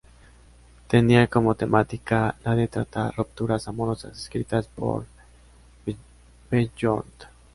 Tenia como temática la de tratar rupturas amorosas, escrita por Bjorn.